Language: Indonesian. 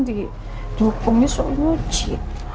dan didukungnya soal nguci